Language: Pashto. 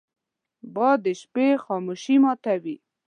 باد د شپې خاموشي ماتوي